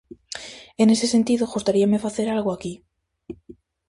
E nese sentido gustaríame facer algo aquí.